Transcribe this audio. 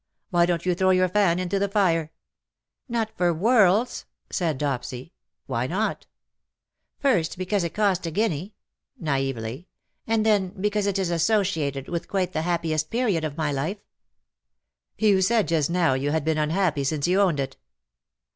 Why don^t you throw your fan into the fire V^ " Not for worlds," said Dopsy, *' Why not ?"'^ First, because it cost a guinea/^ naively, '' and then because it is associated with quite the hap piest period of my life/^ '^ You said just now you had been unhappy since you owned it."